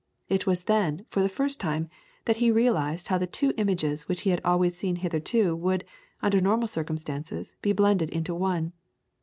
It was then, for the first time, that he realised how the two images which he had always seen hitherto would, under normal circumstances, be blended into one.